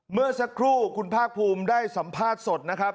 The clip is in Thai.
เมื่อสักครู่คุณภาคภูมิได้สัมภาษณ์สดนะครับ